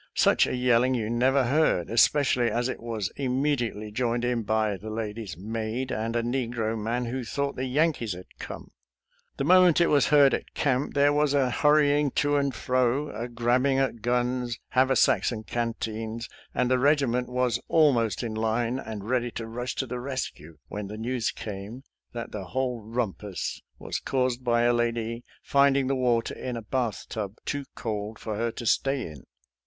Such a yelling you never heard, especially as it was immediately joined in by the lady's maid, and a negro man who thought the Yankees had come. The moment it was heard at camp there was a hurrying to and fro, a grabbing at guns, haver sacks and canteens, and the regiment was al most in line and ready to rush to the rescue, when the news came that the whole rumpus was caused by a lady finding the water in a bathtub too cold for her to stay in.